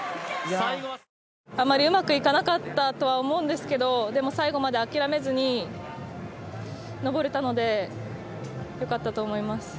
あまりうまくいかなかったと思うんですけど最後まで諦めずに登れたので良かったと思います。